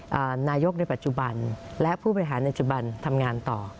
นายกในปัจจุบันและผู้บริหารในจุบันทำงานต่อ